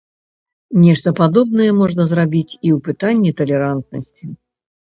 Нешта падобнае можна зрабіць і ў пытанні талерантнасці.